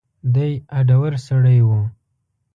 دی هډور سړی و.